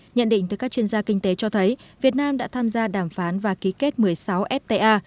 nhận định từ các chuyên gia kinh tế cho thấy việt nam đã tham gia đàm phán và ký kết một mươi sáu fta